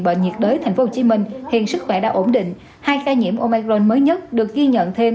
bệnh nhiệt đới tp hcm hiện sức khỏe đã ổn định hai ca nhiễm omar mới nhất được ghi nhận thêm